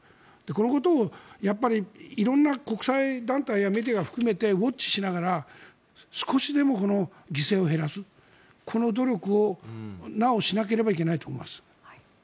このことをやっぱり色んな国際団体やメディアが含めてウォッチしながら少しでも犠牲を減らすこの努力をなおしなければいけないと思います。